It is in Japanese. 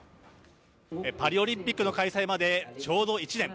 パリオリンピックの開催までちょうど１年。